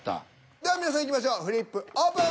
では皆さんいきましょうフリップオープン！